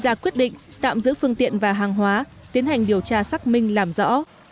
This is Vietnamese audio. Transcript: ra quyết định tạm giữ phương tiện và hàng hóa tiến hành điều tra xác minh làm rõ